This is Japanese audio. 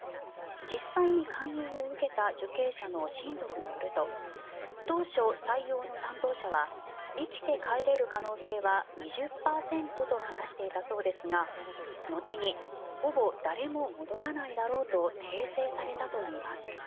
実際に勧誘を受けた受刑者の親族によると当初、採用の担当者は生きて帰れる可能性は２０％と話していたそうですが後に、ほぼ誰も戻らないだろうと訂正されたといいます。